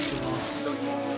いただきまーす。